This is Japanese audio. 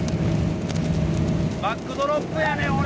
バックドロップやねん俺！